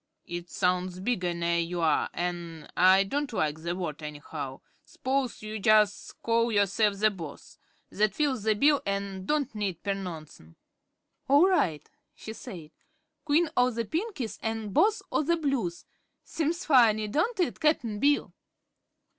It sounds bigger ner you are, an' I don't like the word, anyhow. S'pose you jus' call yourself the Boss? That fills the bill an' don't need pernouncin'." "All right," she said; "Queen o' the Pinkies an' Boss o' the Blues. Seems funny, don't it, Cap'n Bill?"